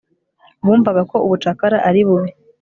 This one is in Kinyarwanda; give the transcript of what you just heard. Bumvaga ko ubucakara ari bubi